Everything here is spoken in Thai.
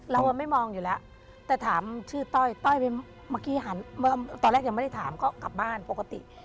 เราไม่มองอยู่แล้วแต่ถามชื่อต้อยต้อยไปเมื่อกี้หันตอนแรกยังไม่ได้ถามก็กลับบ้านปกติ